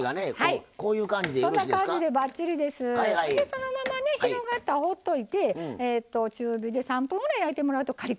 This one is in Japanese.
そのままね広がったらほっといて中火で３分ぐらい焼いてもらうとカリカリができるのでね。